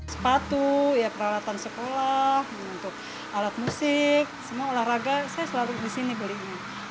sepatu peralatan sekolah untuk alat musik semua olahraga saya selalu di sini belinya